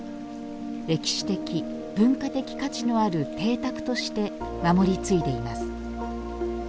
歴史的・文化的価値のある邸宅として守り継いでいます。